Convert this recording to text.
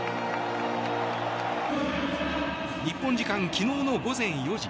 日本時間昨日の午前４時。